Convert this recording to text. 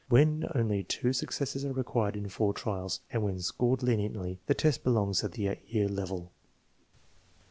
When only two successes are required in four trials, and when scored leniently, the test belongs at the 8 year level.